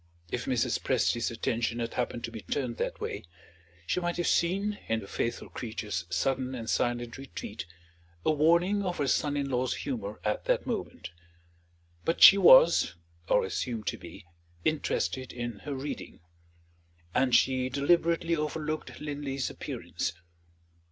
If Mrs. Presty's attention had happened to be turned that way, she might have seen, in the faithful creature's sudden and silent retreat, a warning of her son in law's humor at that moment. But she was, or assumed to be, interested in her reading; and she deliberately overlooked Linley's appearance.